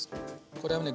これはね